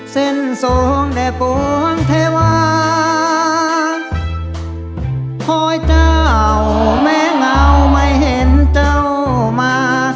ทรงแด่ปวงเทวาพลอยเจ้าแม้เงาไม่เห็นเจ้ามา